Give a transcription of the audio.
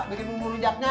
bikin bumbu rujaknya